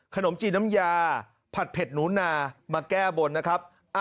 ขนมจีนน้ำยาผัดเผ็ดหนูนามาแก้บนนะครับ